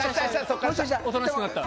おとなしくなった。